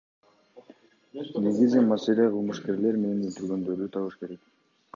Негизги маселе кылмышкерлер менен өлтүргөндөрдү табыш керек.